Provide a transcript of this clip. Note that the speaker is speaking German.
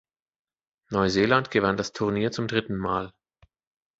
Neuseeland gewann das Turnier zum dritten Mal.